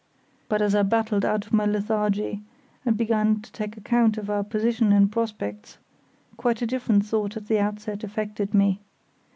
But as I battled out of my lethargy and began to take account of our position and prospects, quite a different thought at the outset affected me.